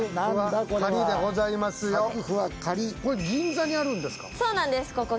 銀座にあるんですか。